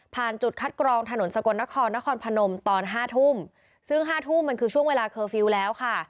จุดคัดกรองถนนสกลนครนครพนมตอนห้าทุ่มซึ่งห้าทุ่มมันคือช่วงเวลาเคอร์ฟิลล์แล้วค่ะ